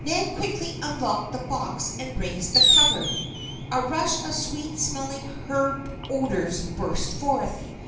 Nan quickly unlocked the box and raised the cover. A rush of sweet smelling herb odors burst forth.